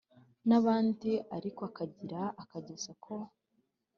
nabandi ariko akagira akageso ko